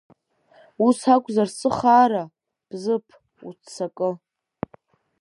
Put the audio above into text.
Ус акәзар сыхаара, Бзыԥ, уццакы!